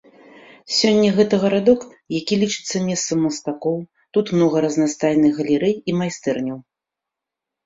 Сёння гэта гарадок, які лічыцца месцам мастакоў, тут многа разнастайных галерэй і майстэрняў.